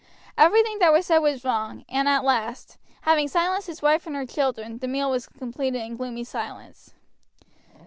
Everything that was said was wrong, and at last, having silenced his wife and her children, the meal was completed in gloomy silence.